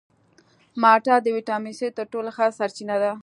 مالټه د ویټامین سي تر ټولو ښه سرچینه ده.